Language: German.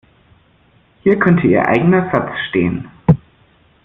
Hier könnte Ihr eigener Satz stehen.